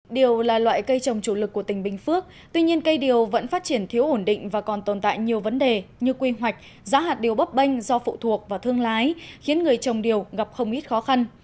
điều là loại cây trồng chủ lực của tỉnh bình phước tuy nhiên cây điều vẫn phát triển thiếu ổn định và còn tồn tại nhiều vấn đề như quy hoạch giá hạt điều bấp bênh do phụ thuộc vào thương lái khiến người trồng điều gặp không ít khó khăn